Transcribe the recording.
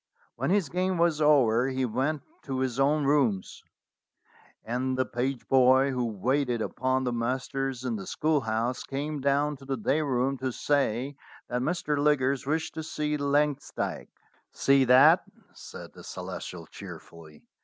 When his game was over he went to his own rooms, and the page boy who waited upon the masters in the schoolhouse came down to the day room to say that Mr. Liggers wished to see Langsdyke. "See that?" said the Celestial cheerfully.